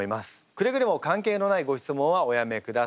くれぐれも関係のないご質問はおやめください。